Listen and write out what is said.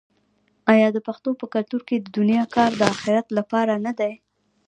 آیا د پښتنو په کلتور کې د دنیا کار د اخرت لپاره نه دی؟